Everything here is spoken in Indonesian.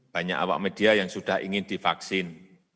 banyak awak media yang sudah ingin divaksin